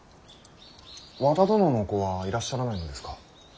和田殿のお子はいらっしゃらないのですか。